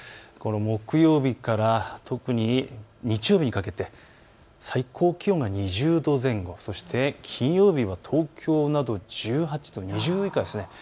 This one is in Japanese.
木曜日から特に日曜日にかけて最高気温が２０度前後、そして金曜日は東京など１８度、２０度以下です。